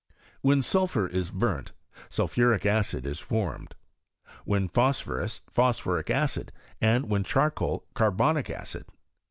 When sulphur is burnt, sulphuric acid is formed ; when phosphorus, phosphoric acid ; and when charcoal, carbonic acid.